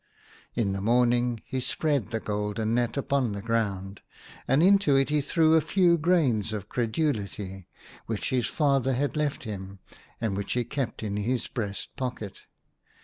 In the morning he spread the golden net open on the ground, and into it he threw a few grains of credulity, which his father had left him, and which he kept in his breast pocket.